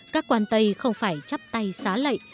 các quan tây không phải chắp tay xá lệ